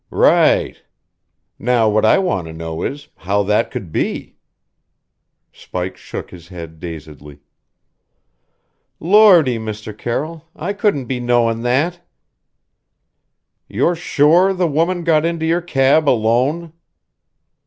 "Right! Now what I want to know is how that could be." Spike shook his head dazedly. "Lordy, Mr. Carroll, I couldn't be knowing that." "You're sure the woman got into your cab alone?"